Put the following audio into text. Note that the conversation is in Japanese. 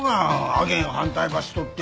あげん反対ばしとって。